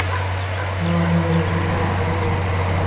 আমরা আশা করি বইটি পূর্বের মতোই পাঠক মহলে সমাদৃত হবে।